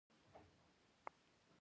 دا د کرنې او سفر لپاره مهم دی.